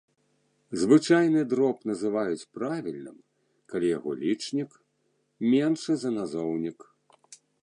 Звычайны дроб называюць правільным, калі яго лічнік меншы за назоўнік.